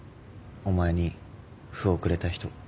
お前に歩をくれた人。